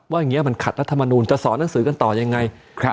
อย่างนี้มันขัดรัฐมนูลจะสอนหนังสือกันต่อยังไง